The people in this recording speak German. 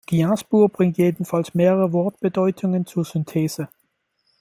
Gainsbourg bringt jedenfalls mehrere Wortbedeutungen zur Synthese.